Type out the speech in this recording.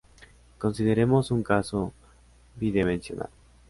Consideremos un caso bidimensional.